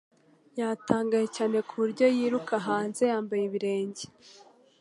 Yatangaye cyane ku buryo yiruka hanze yambaye ibirenge